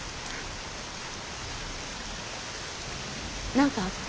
何かあった？